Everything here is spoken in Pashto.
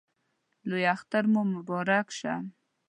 لوی اختر مو مبارک شه